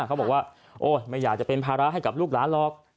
เขาบอกว่าโอ๊ยไม่อยากจะเป็นภาระให้กับลูกหลานหรอก